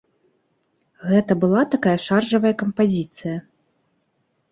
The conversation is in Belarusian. Гэта была такая шаржавая кампазіцыя.